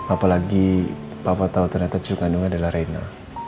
apalagi papa tau ternyata cucu kandungnya adalah reyna